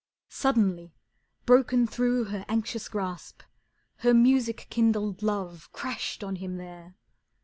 Suddenly, broken through her anxious grasp, Her music kindled love crashed on him there.